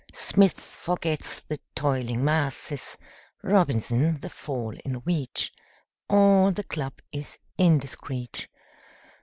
Smith forgets the "toiling masses," Robinson, the fall in wheat; All the club is indiscret.